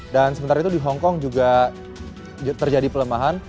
dan sementara itu di hong kong juga terjadi pelemahan